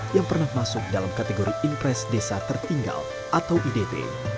yang pernah masuk dalam kategori impres desa tertinggal atau idp